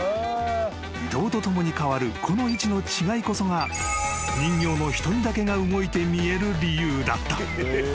［移動とともに変わるこの位置の違いこそが人形の瞳だけが動いて見える理由だった］